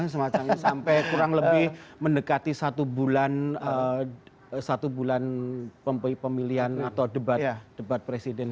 sampai kurang lebih mendekati satu bulan pemilihan atau debat presiden